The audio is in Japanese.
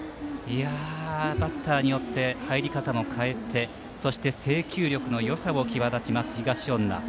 バッターによって入り方も変えてそして、制球力のよさも際立ちます、東恩納。